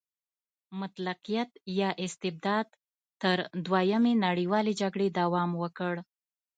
مطلقیت یا استبداد تر دویمې نړیوالې جګړې دوام وکړ.